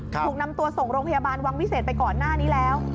ถูกนำตัวส่งโรงพยาบาลวังวิเศษไปก่อนหน้านี้แล้ว